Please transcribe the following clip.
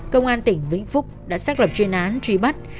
công an tỉnh vĩnh phúc đã xác lập truy nãn truy bắt